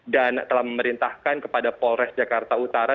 dan telah memerintahkan kepada polres jakarta utara